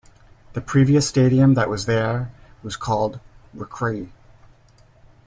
The previous stadium that was there was called Reckrie.